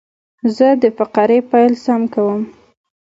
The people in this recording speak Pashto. زه د فقرې پیل سم کوم.